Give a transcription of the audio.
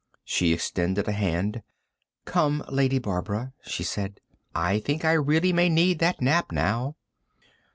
She extended a hand. "Come, Lady Barbara," she said. "I think I really may need that nap, now."